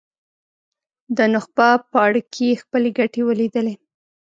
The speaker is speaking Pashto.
د نخبه پاړکي خپلې ګټې ولیدلې.